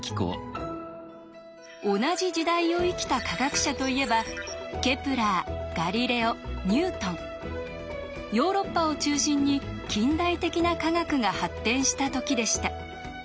同じ時代を生きた科学者といえばヨーロッパを中心に近代的な科学が発展した時でした。